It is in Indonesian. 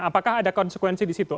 apakah ada konsekuensi di situ